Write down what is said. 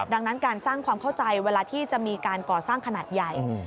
ดังนั้นการสร้างความเข้าใจเวลาที่จะมีการก่อสร้างขนาดใหญ่